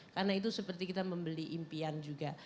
karena itu seperti kita membeli impian juga